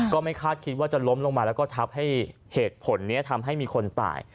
ก็ไม่คาดคิดว่าจะล้มลงมาแล้วก็ทับให้เหตุผลนี้ทำให้มีคนตาย